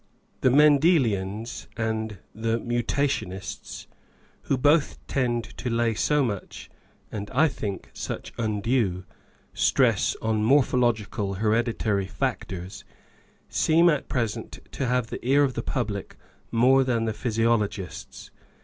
The " Mendelians " and the " Mutationists," who both tend to lay so much (and I think such undue) stress on morphological hereditary factors, seem at present to have the ear of the public more than the physiologists.